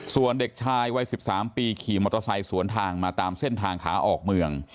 ส่วนเด็กชายวัย๑๓ปีขี่มอเตอร์ไซค์สวนทางมาตามเส้นทางขาออกเมือง